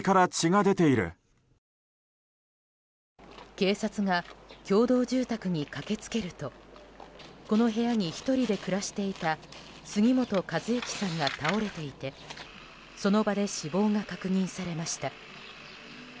警察が共同住宅に駆け付けるとこの部屋に１人で暮らしていた杉本和幸さんが倒れていてその場で死亡が確認されました。